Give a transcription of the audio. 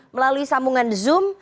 melalui sambungan zoom